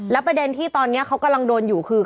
ประเด็นที่ตอนนี้เขากำลังโดนอยู่คือ